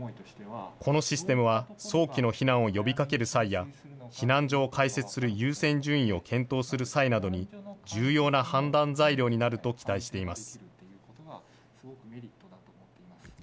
このシステムは、早期の避難を呼びかける際や、避難所を開設する優先順位を検討する際などに、重要な判断材料になると期待しています。